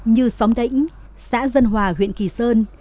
như xóm đỉnh xã dân hòa huyện kỳ sơn